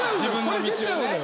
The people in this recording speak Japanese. これ出ちゃうのよ。